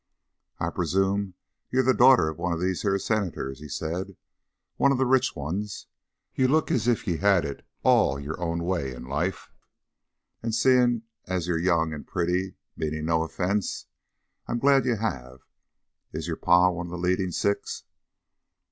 "I presume you're the darter of one of these here Senators," he said; "one of the rich ones. You look as if ye hed it all your own way in life, and seein' as you're young and pretty, meanin' no offence, I'm glad you hev. Is your pa one of the leadin' six?"